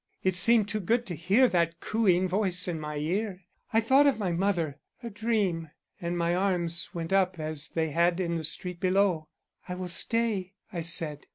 It seemed too good to hear that cooing voice in my ear. I thought of my mother a dream and my arms went up as they had in the street below. 'I will stay,' I said.